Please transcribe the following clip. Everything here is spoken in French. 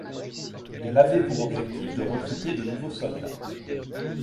Elle avait pour objectif de recruter de nouveaux soldats.